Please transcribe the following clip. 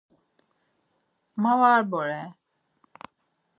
Ma var vore.